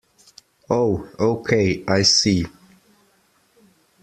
Oh okay, I see.